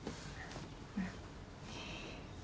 うん。